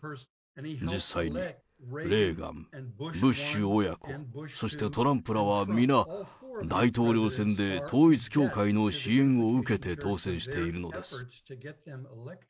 実際に、レーガン、ブッシュ親子、そしてトランプらは皆、大統領選で統一教会の支援を受けて当選しているのです。